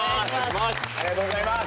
ありがとうございます！